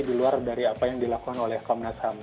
di luar dari apa yang dilakukan oleh komnas ham